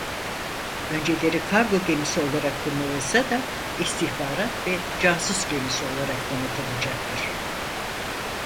Önceleri kargo gemisi olarak kullanılsa da istihbarat ve casus gemisi olarak donatılacaktır.